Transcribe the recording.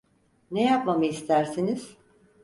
Ne yapmamı istersiniz?